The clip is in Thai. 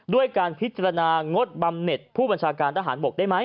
ด้วยการพิจารณางดบำเน็ตผู้บัญชาการทหารบกได้ไหม